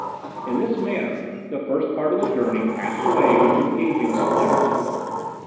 "In this manner the first part of the journey passed away with engaging celerity.